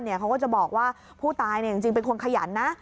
เขาก็จะบอกว่าผู้ตายจริงเป็นคนขยันนะ